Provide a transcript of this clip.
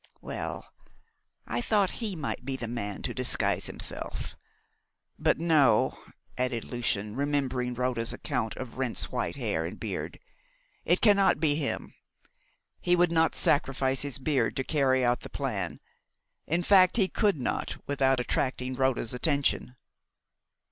"Well, I thought he might be the man to disguise himself. But no," added Lucian, remembering Rhoda's account of Wrent's white hair and beard, "it cannot be him. He would not sacrifice his beard to carry out the plan; in fact he could not without attracting Rhoda's attention."